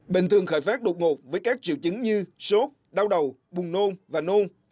bình thường khởi phát đột ngột với các triệu chứng như sốt đau đầu buồn nôn và nôn